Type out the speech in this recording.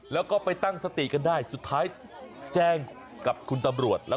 ลองคิดดูนะคุณผู้ชม